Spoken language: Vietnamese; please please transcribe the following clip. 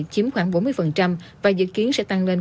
chiếm khoảng bốn mươi và dự kiến sẽ tăng lên